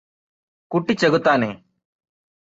കുട്ടിച്ചെകുത്താനേ